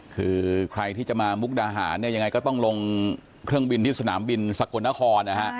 คือใครที่จะมามุกดาหารเนี่ยยังไงก็ต้องลงเครื่องบินที่สนามบินสกลนครนะฮะ